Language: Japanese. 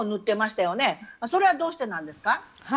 それはどうしてなんですか？